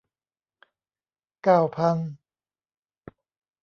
เก้าพัน